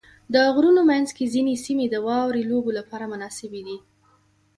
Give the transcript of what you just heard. د غرونو منځ کې ځینې سیمې د واورې لوبو لپاره مناسبې دي.